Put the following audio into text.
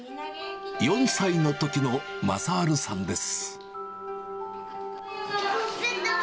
４歳のときの雅治さんです。